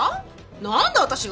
何で私が？